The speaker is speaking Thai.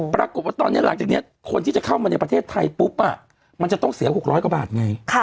ปรากฏว่าตอนนี้หลังจากนี้คนที่จะเข้ามาในประเทศไทยปุ๊บมันจะต้องเสีย๖๐๐กว่าบาทไง